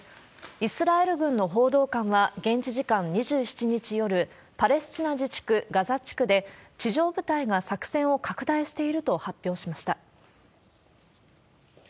イスラエル軍の報道官は、現地時間２７日夜、パレスチナ自治区、ガザ地区で、地上部隊が作戦を拡大していると発表しました。